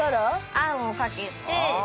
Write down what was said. あんをかけて。